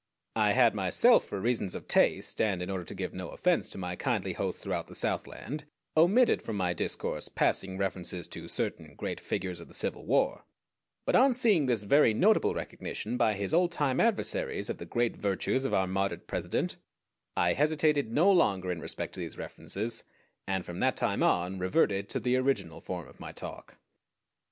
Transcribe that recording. I had myself for reasons of taste, and in order to give no offense to my kindly hosts throughout the Southland, omitted from my discourse passing references to certain great figures of the Civil War; but on seeing this very notable recognition by his old time adversaries of the great virtues of our martyred President, I hesitated no longer in respect to these references, and from that time on reverted to the original form of my talk.